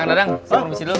kang dadang siapkan bisik lo